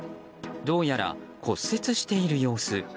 どうやら骨折している様子。